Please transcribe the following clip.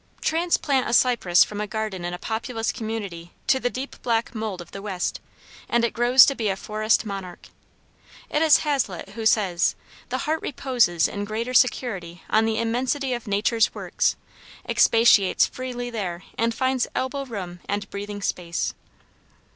Transplant a cypress from a garden in a populous community to the deep black mould of the west, and it grows to be a forest monarch. It is Hazlitt who says "the heart reposes in greater security on the immensity of nature's works, expatiates freely there and finds elbow room and breathing space."